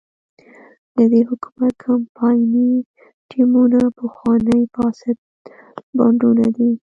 د دې حکومت کمپایني ټیمونه پخواني فاسد بانډونه دي.